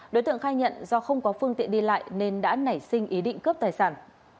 đối tượng khai nhận do không có phương tiện đi lại nên đã nảy sinh ý định cướp tài sản